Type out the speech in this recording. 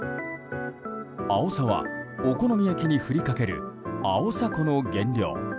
アオサはお好み焼きに振りかけるアオサ粉の原料。